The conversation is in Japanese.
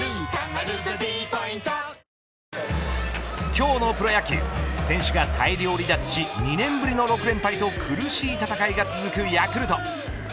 今日のプロ野球選手が大量離脱し２年ぶりの６連敗と苦しい戦いが続くヤクルト。